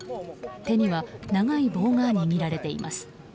手には長い棒が握られています。